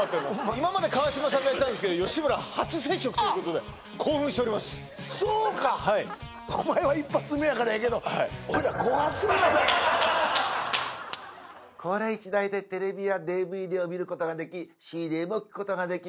今まで川島さんがやってたんですけど吉村初接触ということで興奮しておりますそうかはいお前は１発目やからええけどはいこれ１台でテレビやデーブイデーを見ることができシーデーも聴くことができ